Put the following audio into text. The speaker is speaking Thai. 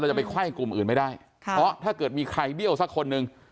เราจะไปไข้กลุ่มอื่นไม่ได้ถ้าเกิดมีใครเดียวสักคนนึง